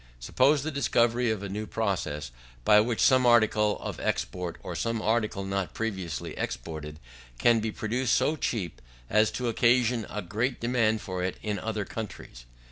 Suppose the discovery of a new process, by which some article of export, or some article not previously exported, can be produced so cheap as to occasion a great demand for it in other countries.